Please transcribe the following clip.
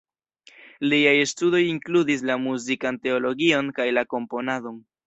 Liaj studoj inkludis la muzikan teologion kaj la komponadon.